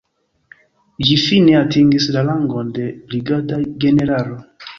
Ĝi fine atingis la rangon de brigada generalo.